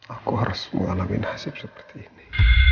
aku harus mengalami nasib seperti ini